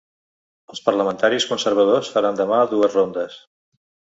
Els parlamentaris conservadors faran demà dues rondes.